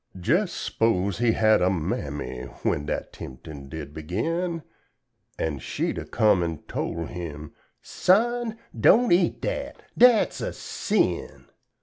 Jes s'pose he'd had a Mammy when dat temptin' did begin An' she'd a come an' tole him "Son, don' eat dat dat's a sin."